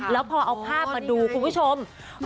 แล้วพอเอาภาพมาดูคุณผู้ชม